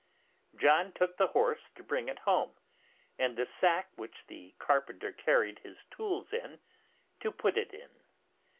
John took the horse to bring it home, and the sack which the carpenter carried his tools in, to put it in.